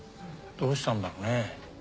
どうしたんだろうね？